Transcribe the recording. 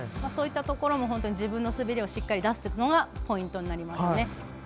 そういったところも自分の滑りをしっかり出すのがポイントですね。